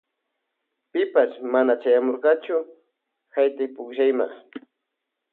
Pipash mana chayamurkachu haytaypukllayma.